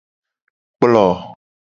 Kplo.